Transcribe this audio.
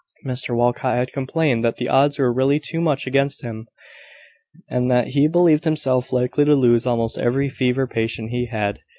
Mr Walcot had complained that the odds were really too much against him, and that he believed himself likely to lose almost every fever patient he had.